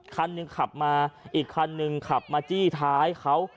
คันหนึ่งขับมาอีกคันหนึ่งขับมาจี้ท้ายเขา